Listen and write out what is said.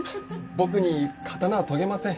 僕に刀は研げません。